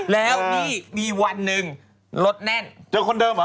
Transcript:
แล้วนี่มีวันหนึ่งรถแน่นเจอคนเดิมเหรอ